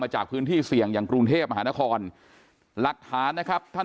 จากพื้นที่เสี่ยงอย่างกรุงเทพมหานครหลักฐานนะครับท่าน